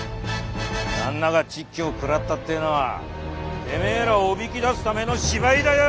旦那が蟄居を食らったっていうのはてめえらをおびき出すための芝居だよ！